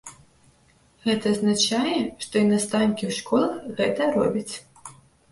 Гэта азначае, што і настаўнікі ў школах гэта робяць.